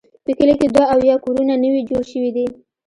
په کلي کې دوه اویا کورونه نوي جوړ شوي دي.